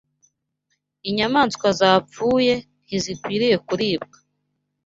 inyamaswa zapfuye ntzikwiriye kuribwa